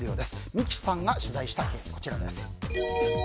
三木さんが取材したケースこちらです。